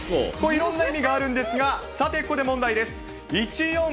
いろんな意味があるんですが、さて、ここで問題です。